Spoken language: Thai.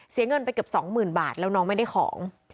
เงินไปเกือบ๒๐๐๐บาทแล้วน้องไม่ได้ของ